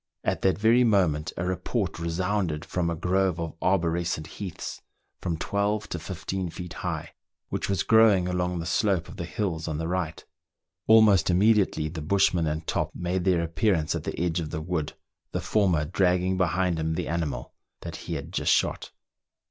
At that very moment a report resounded from a grove of arborescent heaths, from twelve to fifteen feet high, which was growing along the slope of the hills on the right. Almost immediately the bushman and Top made their appearance at the edge of the wood, the former dragging behind him the animal that he had just shot.